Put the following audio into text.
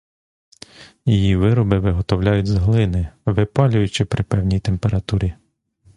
Її вироби виготовляють з глини, випалюючи при певній температурі.